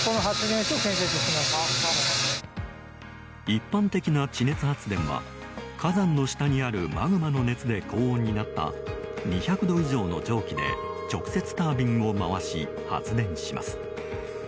一般的な地熱発電は火山の下にあるマグマの熱で高温になった２００度以上の蒸気で、直接タービンを回し、発電します。